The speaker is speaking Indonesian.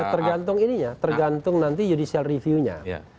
tergantung nanti judicial review nya